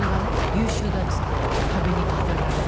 優秀だっていって壁に飾られたり。